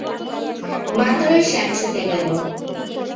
মাত্রই স্যাম ছুটে গেল।